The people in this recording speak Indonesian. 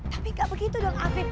tapi gak begitu dong afib